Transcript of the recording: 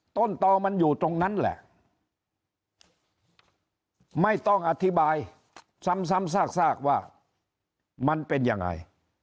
ตอมันอยู่ตรงนั้นแหละไม่ต้องอธิบายซ้ำซากว่ามันเป็นยังไง